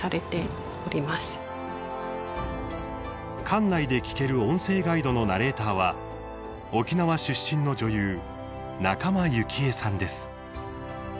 館内で聞ける音声ガイドのナレーターは沖縄出身の女優仲間由紀恵さんです。